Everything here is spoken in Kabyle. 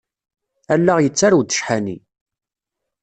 Allaɣ yettarew-d ccḥani.